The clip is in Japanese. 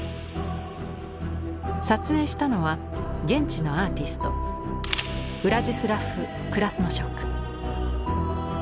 撮影したのは現地のアーティストウラジスラフ・クラスノショク。